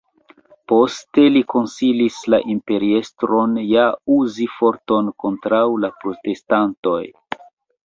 Poste li konsilis la imperiestron ja uzi forton kontraŭ la protestantoj.